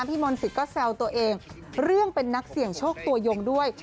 มนตรีก็แซวตัวเองเรื่องเป็นนักเสี่ยงโชคตัวยงด้วย